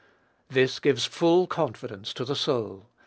This gives full confidence to the soul.